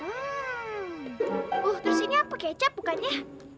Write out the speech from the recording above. oh terus ini aku kecap bukannya